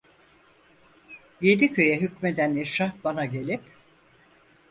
Yedi köye hükmeden eşraf bana gelip: